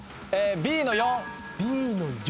Ｂの４。